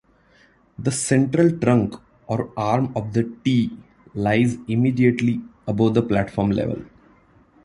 The central trunk or arm of the 'T' lies immediately above the platform level.